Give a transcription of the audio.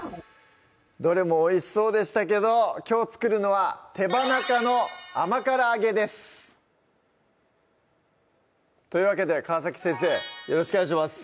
どれもおいしそうでしたけどきょう作るのは「手羽中の甘辛揚げ」ですというわけで川先生よろしくお願いします